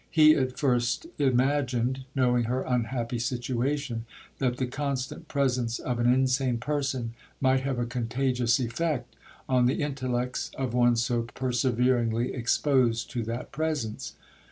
He at first imagined (knowing her unhappy situation) that the constant presence of an insane person might have a contagious effect on the intellects of one so perseveringly exposed to that presence.